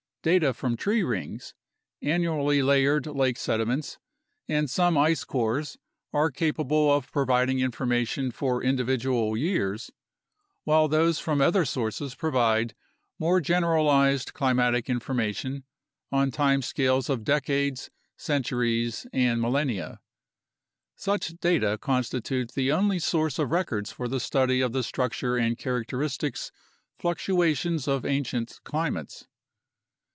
Data from tree rings, annually layered lake sediments, and some ice cores are capable of providing information for individual years, while those from other sources provide more generalized climatic information on time scales of decades, centuries, and millenia. Such data constitute the only source of records for the study of the structure and characteristics fluctuations of ancient climates.